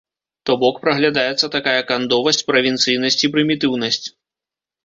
То бок, праглядаецца такая кандовасць, правінцыйнасць і прымітыўнасць.